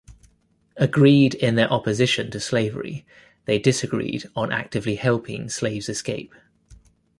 Agreed in their opposition to slavery, they disagreed on actively helping slaves escape.